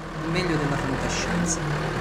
Il meglio della fantascienza.